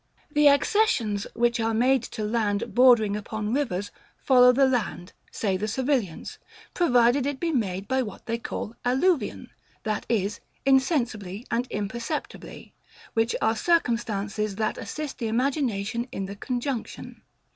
The accessions, which are made to land, bordering upon rivers, follow the land, say the civilians, provided it be made by what they call alluvion, that is, insensibly and imperceptibly; which are circumstances, that assist the imagination in the conjunction.